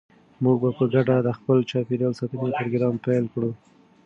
موږ به په ګډه د خپل چاپیریال ساتنې پروګرام پیل کړو.